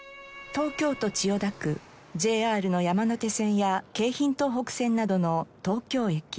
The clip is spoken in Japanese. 東京都千代田区ＪＲの山手線や京浜東北線などの東京駅。